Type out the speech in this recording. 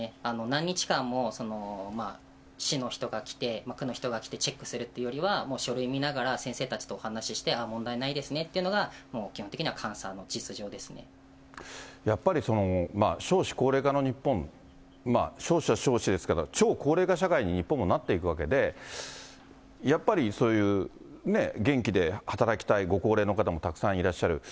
何日間も市の人が来て、区の人が来てチェックをするというよりは、もう書類見ながら、先生たちとお話して、ああ、問題ないですねっていうのが、やっぱりその、少子高齢化の日本、少子は少子ですけれども、超高齢化社会に日本もなっていくわけで、やっぱりそういう元気で働きたいご高齢の方もたくさんいらっしゃる。